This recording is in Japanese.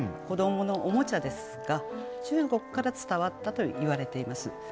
子どものおもちゃですが中国から伝わったといわれています。